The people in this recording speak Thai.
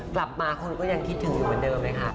กลับมาคนก็ยังคิดถึงอยู่เหมือนเดิมเลยค่ะ